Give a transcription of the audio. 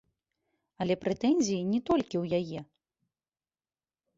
Але прэтэнзіі не толькі ў яе.